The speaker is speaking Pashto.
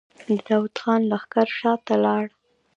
د داوود خان لښکر شاته لاړ.